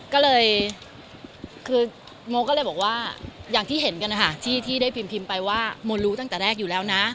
ก็เลยคือโมก็เลยบอกว่าอย่างที่เห็นกันนะคะที่ได้พิมพิมพ์ไปว่าโมรู้ตั้งแต่แรกอยู่แล้วนะ